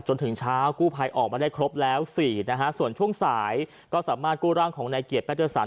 จนถึงเช้ากู้ภัยออกมาได้ครบแล้ว๔นะฮะส่วนช่วงสายก็สามารถกู้ร่างของนายเกียรติแพทเตอร์ศาส